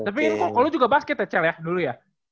tapi kok lu juga basket ya chel ya dulu ya